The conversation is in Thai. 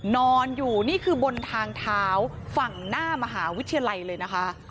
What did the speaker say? นอนอยู่นี่คือบนทางเท้าฝั่งหน้ามหาวิทยาลัยเลยนะคะ